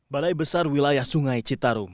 balai besar wilayah sungai citarum